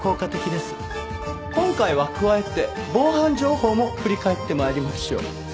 今回は加えて防犯情報も振り返って参りましょう。